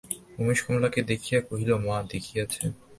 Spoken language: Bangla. উমেশ কমলাকে দেখাইয়া কহিল, মা দিয়াছেন।